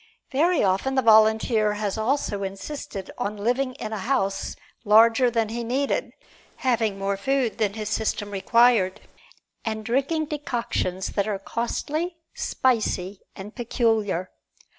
Very often the volunteer has also insisted on living in a house larger than he needed, having more food than his system required, and drinking decoctions that are costly, spicy and peculiar.